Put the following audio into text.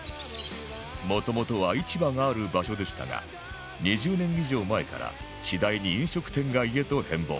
もともとは市場がある場所でしたが２０年以上前から次第に飲食店街へと変貌